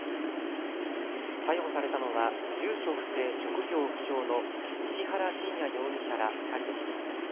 逮捕されたのは住所不定、職業不詳の石原信也容疑者ら２人です。